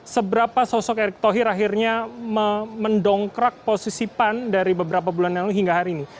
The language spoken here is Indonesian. seberapa sosok erick thohir akhirnya mendongkrak posisi pan dari beberapa bulan lalu hingga hari ini